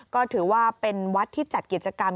ก็ถือว่าเป็นวัดที่จัดกิจกรรม